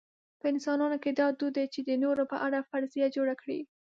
په انسانانو کې دا دود دی چې د نورو په اړه فرضیه جوړه کړي.